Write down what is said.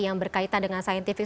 yang berkaitan dengan saintifik